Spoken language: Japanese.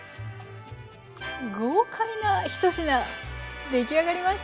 豪快な１品出来上がりました。